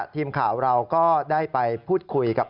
ทีมข่าวเราก็ได้ไปพูดคุยกับ